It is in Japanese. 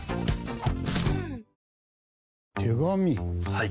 はい。